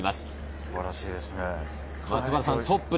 素晴らしいですね。